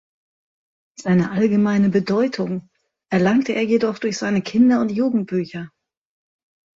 Seine allgemeine Bedeutung erlangte er jedoch durch seine Kinder- und Jugendbücher.